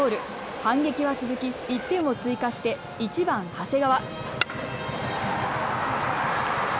反撃は続き１点を追加して１番・長谷川。